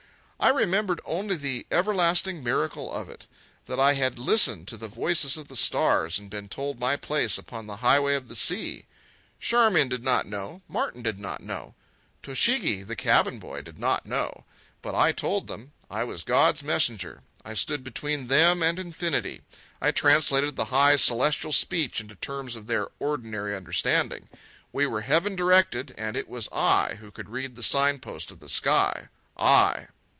I remembered only the everlasting miracle of it—that I had listened to the voices of the stars and been told my place upon the highway of the sea. Charmian did not know, Martin did not know, Tochigi, the cabin boy, did not know. But I told them. I was God's messenger. I stood between them and infinity. I translated the high celestial speech into terms of their ordinary understanding. We were heaven directed, and it was I who could read the sign post of the sky!—I!